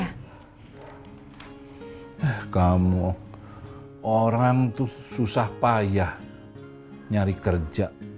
ah kamu orang tuh susah payah nyari kerja